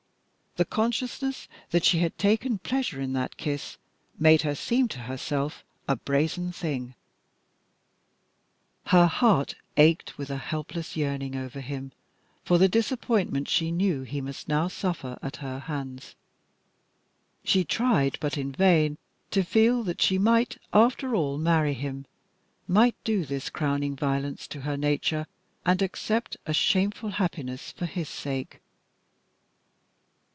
The consciousness that she had taken pleasure in that kiss made her seem to herself a brazen thing. Her heart ached with a helpless yearning over him for the disappointment she knew he must now suffer at her hands. She tried, but in vain, to feel that she might, after all, marry him, might do this crowning violence to her nature, and accept a shameful happiness for his sake.